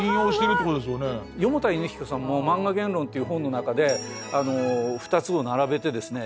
四方田犬彦さんも「漫画原論」っていう本の中であの２つを並べてですね